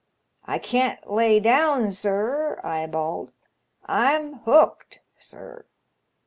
* I can't lay dovm, sir,' I bawled, *I'm hooked, sir.